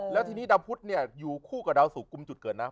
แล้วทีนี้ดาวพุทธเนี่ยอยู่คู่กับดาวสุกุมจุดเกิดนะ